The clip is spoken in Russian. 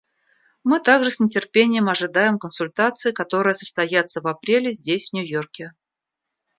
Мы также с нетерпением ожидаем консультаций, которые состоятся в апреле здесь, в Нью-Йорке.